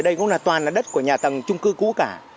đây cũng là toàn là đất của nhà tầng trung cư cũ cả